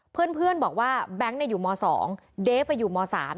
เพื่อนเพื่อนบอกว่าแบงค์เนี้ยอยู่มสองเดฟอะอยู่มสาม